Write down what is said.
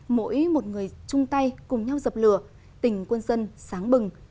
mỗi một người chung tay cùng nhau dập lửa tỉnh quân dân sáng bừng